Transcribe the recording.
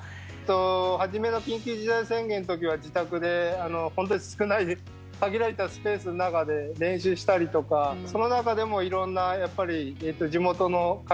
初めの緊急事態宣言の時は自宅で本当に少ない限られたスペースの中で練習したりとかその中でもいろんなやっぱり地元の会場を借りたりとか。